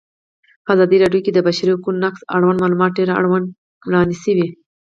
په ازادي راډیو کې د د بشري حقونو نقض اړوند معلومات ډېر وړاندې شوي.